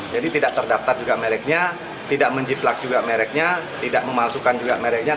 jadi tidak terdaftar juga mereknya tidak menjiplak juga mereknya tidak memasukkan juga mereknya